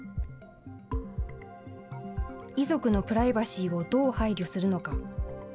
遺族のプライバシーをどう配慮するのか。